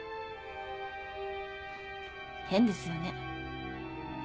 変ですよね。